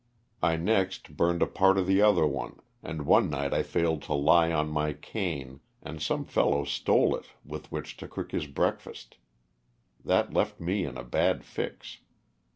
I next burned a part of the other one, and one night I failed to lie on my cane and some fellow stole it with which to cook his breakfast. That left me in a bad fix.